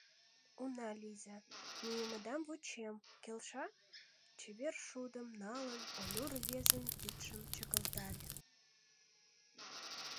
Уна лийза — мийымыдам вучем— Келша? — чевер шудым налын, Олю рвезын кидшым чыгылтале.